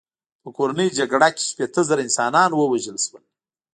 په کورنۍ جګړه کې شپېته زره انسانان ووژل شول.